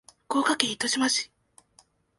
福岡県糸島市